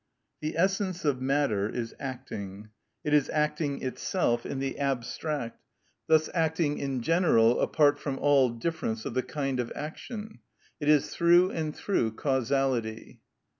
The essence of matter is acting, it is acting itself, in the abstract, thus acting in general apart from all difference of the kind of action: it is through and through causality.